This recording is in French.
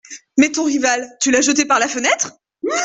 Mais ton rival, tu l’as jeté par la fenêtre ?…